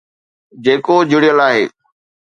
جيڪو جڙيل آهي.